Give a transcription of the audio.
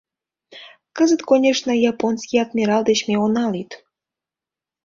Кызыт, конешне, японский адмирал деч ме она лӱд.